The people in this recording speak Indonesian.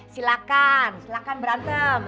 silakan silakan berantem